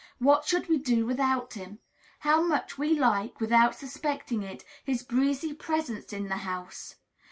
What should we do without him? How much we like, without suspecting it, his breezy presence in the house!